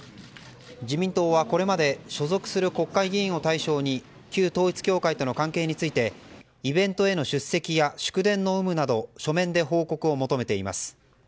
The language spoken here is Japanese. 自民党はこれまで所属する国会議員を対象に旧統一教会との関係についてイベントの出席や祝電の有無など書面で報告を求めています。